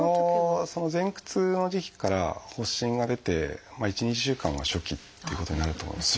その前駆痛の時期から発疹が出て１２週間は初期っていうことになると思います。